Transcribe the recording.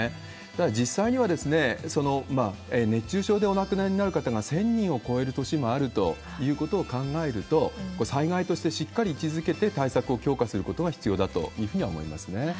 ただ、実際には熱中症でお亡くなりになる方が１０００人を超える年もあるということを考えると、これ、災害としてしっかり位置づけて、対策を強化することが必要だというふうには思いますね。